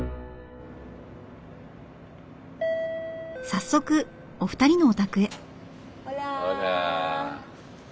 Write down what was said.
早速お二人のお宅へ。